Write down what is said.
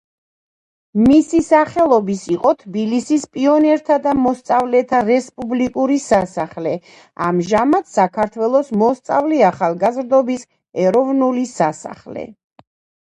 მისი სახელობის იყო თბილისის პიონერთა და მოსწავლეთა რესპუბლიკური სასახლე, ამჟამად საქართველოს მოსწავლე-ახალგაზრდობის ეროვნული სასახლე.